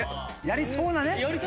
やりそうなね。